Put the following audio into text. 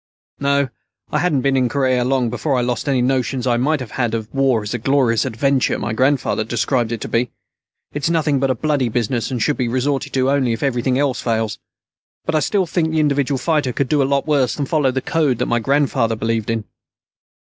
"No, I hadn't been in Korea long before I lost any notions I might have had of war as the glorious adventure my grandfather described it to be. It's nothing but a bloody business, and should be resorted to only if everything else fails. But I still think the individual fighter could do a lot worse than follow the code that my grandfather believed in."